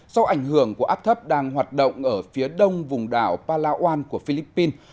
do ảnh hưởng của áp thấp đang hoạt động ở phía đông vùng đảo palawan của philippines